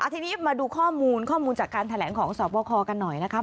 ทีนี้มาดูข้อมูลข้อมูลจากการแถลงของสวบคกันหน่อยนะครับ